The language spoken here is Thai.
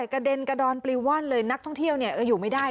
แต่กระเด็นกระดอนปรีว่านเลยนักท่องเที่ยวเนี่ยก็อยู่ไม่ได้